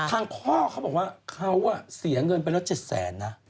ทางข้อเขาบอกว่าเขาเสียเงินไปละ๗๐๐๐๐๐บาท